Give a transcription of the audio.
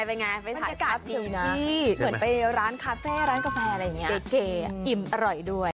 เหมือนไปร้านคาเฟ่ร้านกาแฟอะไรอย่างเงี้ยเก๋อิ่มอร่อยด้วย